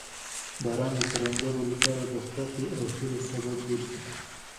باران د کروندګرو لپاره د خوښۍ او هیلو سبب ګرځي